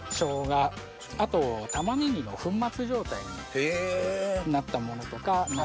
あとたまねぎの粉末状態になったものとか。